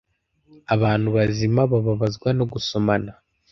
abantu bazima bababazwa no gusomana